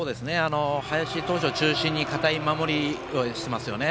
林投手を中心に堅い守りをしていますよね。